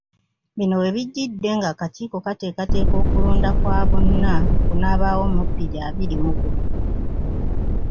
Bino webijjidde, ng'akakiiko keteekateekera okulonda kwa bonna okunaabaawo mu bbiri abiri mu gumu.